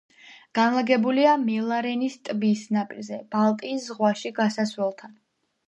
განლაგებულია მელარენის ტბის ნაპირზე ბალტიის ზღვაში გასასვლელთან.